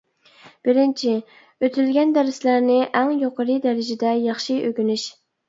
بىرىنچى، ئۆتۈلگەن دەرسلەرنى ئەڭ يۇقىرى دەرىجىدە ياخشى ئۆگىنىش.